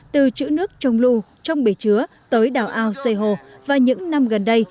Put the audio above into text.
từ chữ nước trong lưu trong bể chứa tới đảo ao xây hồ và những năm gần đây